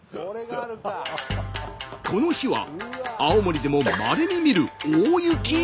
この日は青森でもまれに見る大雪。